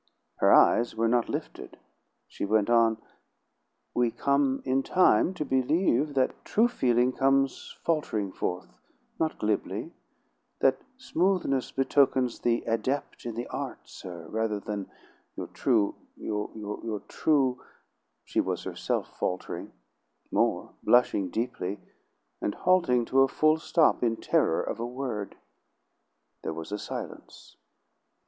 Her eyes were not lifted. She went on: "We come, in time, to believe that true feeling comes faltering forth, not glibly; that smoothness betokens the adept in the art, sir, rather than your true your true " She was herself faltering; more, blushing deeply, and halting to a full stop in terror of a word. There was a silence.